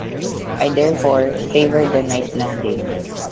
I therefore, favor the night landing.